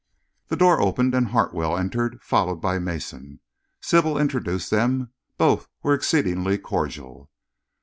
The door opened and Hartwell entered, followed by Mason. Sybil introduced them. Both were exceedingly cordial.